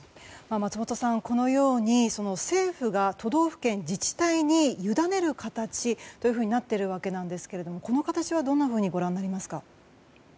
松本さん、このように政府が都道府県、自治体に委ねる形というふうになっているわけですがこの形はどんなふうにご覧になりますか。